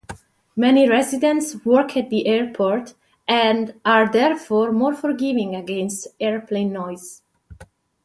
Many residents work at the airport and are therefore more forgiving against airplane noise.